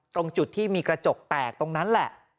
ตรงจุดที่มีกระจกแตกตรงนั้นแหละ